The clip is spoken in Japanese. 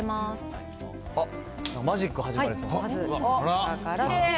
マジック始まりそう。